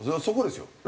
そこですよ。